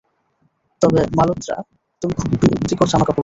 তবে মালোত্রা তুমি খুব বিরক্তিকর জামাকাপড় পরো।